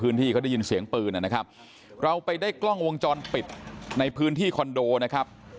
ที่เขาได้ยินเสียงปืนนะครับเราไปได้กล้องวงจรปิดในพื้นที่คอนโดนะครับ